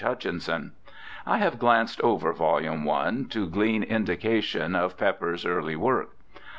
Hutchinson. I have glanced over vol. i, to glean indications of Pepper's early work.